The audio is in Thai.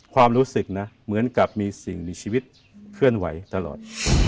ความรู้สึกนะเหมือนกับมีสิ่งมีชีวิตเคลื่อนไหวตลอด